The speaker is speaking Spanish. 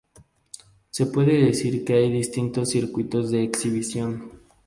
Se puede decir que hay distintos circuitos de exhibición.